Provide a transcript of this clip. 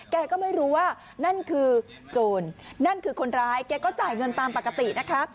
แกก็ไม่รู้ว่านั่นคือโจรนั่นคือคนร้ายแกก็จ่ายเงินตามปกตินะคะ